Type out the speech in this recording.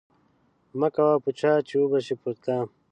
مه کوه په چا چې وبه شي پر تا